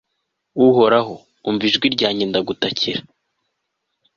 uhoraho, umva ijwi ryanjye, ndagutakira